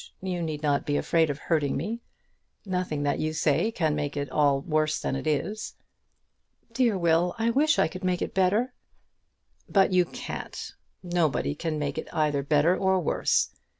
You need not be afraid of hurting me. Nothing that you can say can make it at all worse than it is." "Dear Will, I wish I could make it better." "But you can't. Nobody can make it either better or worse.